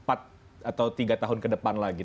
atau tiga tahun ke depan lagi